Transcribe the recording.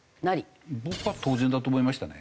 僕は当然だと思いましたね。